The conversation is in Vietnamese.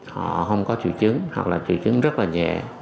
họ không có triệu chứng hoặc là triệu chứng rất là nhẹ